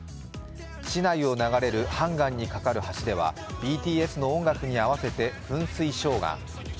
市内を流れるハンガンに架かる橋ではＢＴＳの音楽に合わせて噴水ショーが。